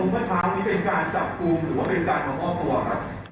เป็นการจับปุ๋มหรือเป็นการของพ่อตัวครับ